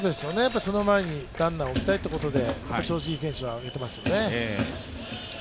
その前にランナーを置きたいということで、調子いい選手を置いていますよね。